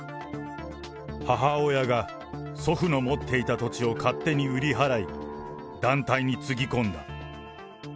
母親が祖父の持っていた土地を勝手に売り払い、団体につぎ込んだ。